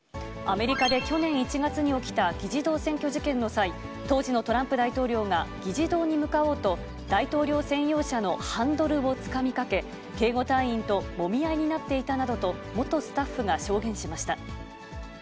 アメリカで去年１月に起きた議事堂占拠事件の際、当時のトランプ大統領が議事堂に向かおうと、大統領専用車のハンドルをつかみかけ、警護隊員ともみ合いになっていたなどと、元スタッフが証言しました。